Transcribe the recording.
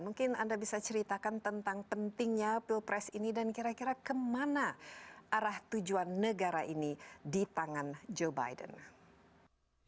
mungkin anda bisa ceritakan tentang pentingnya pilpres ini dan kira kira kemana arah tujuan negara ini di tangan joe biden